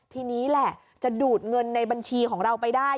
ทีนี้แหละจะดูดเงินในบัญชีของเราไปได้